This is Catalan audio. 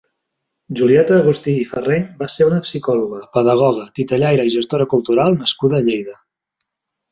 Julieta Agustí i Farreny va ser una psicòloga, pedagoga, titellaire i gestora cultural nascuda a Lleida.